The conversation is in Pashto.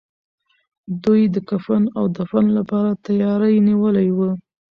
دوی د کفن او دفن لپاره تياری نيولی و.